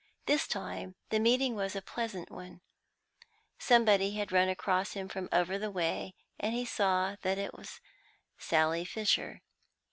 This time the meeting was a pleasant one; somebody ran across to him from over the way, and he saw that it was Sally Fisher.